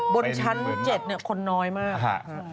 บนชั้น๗คนน้อยมาก